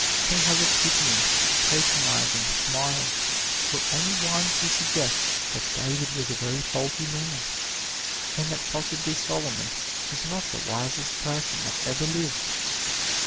He has a pitying, patronizing smile for any one who suggests that David was a very faulty man, and that possibly Solomon was not the wisest person that ever lived.